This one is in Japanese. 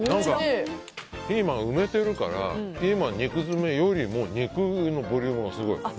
ピーマン、埋めてるからピーマン肉詰めよりも肉のボリュームがすごい。